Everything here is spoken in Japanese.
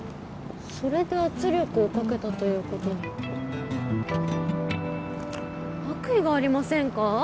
それで圧力をかけたということに悪意がありませんか？